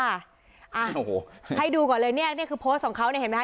โอ้โหให้ดูก่อนเลยเนี่ยนี่คือโพสต์ของเขาเนี่ยเห็นไหมค